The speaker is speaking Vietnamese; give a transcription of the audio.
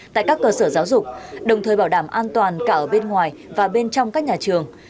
tại các cơ sở giáo dục đồng thời bảo đảm an toàn cả ở bên ngoài và bên trong các nhà trường